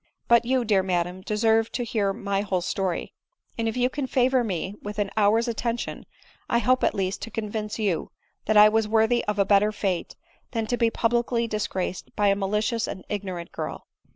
But you, dear madam, deserve to hear my whole story ; and, if you can favor me with an hour's attention, I hope, at least, to convince you that I was worthy of a better fate than to be publicly disgraced by a malicious and ignorant girl.